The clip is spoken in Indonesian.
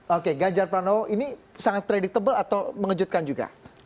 oke ganjar pranowo ini sangat predictable atau mengejutkan juga